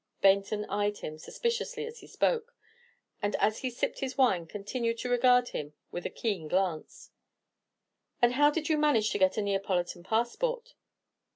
Baynton eyed him suspiciously as he spoke, and as he sipped his wine continued to regard him with a keen glance. "And how did you manage to get a Neapolitan passport?"